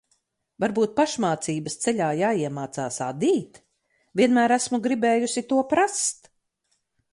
Varbūt pašmācības ceļā jāiemācās adīt? Vienmēr esmu gribējusi to prast.